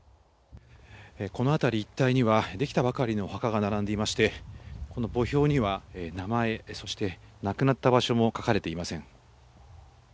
この辺り一帯には、出来たばかりのお墓が並んでいまして、この墓標には、名前、そして、亡くなった場所も書かれていません。